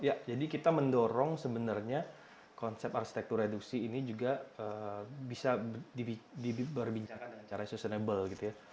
ya jadi kita mendorong sebenarnya konsep arsitektur reduksi ini juga bisa berbicara dengan cara sustainable gitu ya